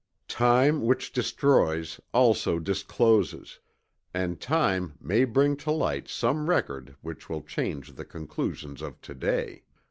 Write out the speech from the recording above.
Time which destroys, also discloses; and time may bring to light some record which will change the conclusions of to day.